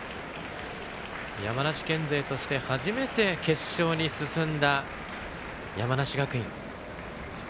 山梨県勢として初めて決勝に進んだ、山梨学院。